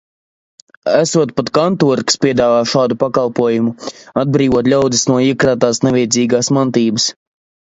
Esot pat kantori, kas piedāvā šādu pakalpojumu – atbrīvot ļaudis no iekrātās nevajadzīgās mantības.